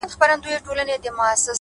ښه ملګری پټه شتمني ده.